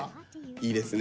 いいですね